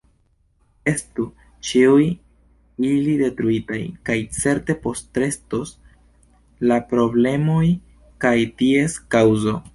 Estu ĉiuj ili detruitaj, kaj certe postrestos la problemoj kaj ties kaŭzo.